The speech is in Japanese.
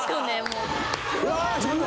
うわちょっと！